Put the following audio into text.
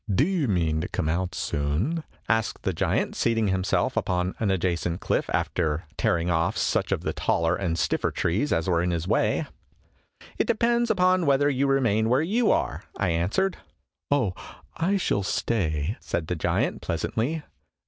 " Do you mean to come out soon ?" asked the giant, seating him self upon an adjacent cliff, after tearing off such of the taller and stiffer trees as were in his way. "It depends somewhat upon whether you remain where you are," I answered. " Oh, I shall stay," said the giant, pleasantly.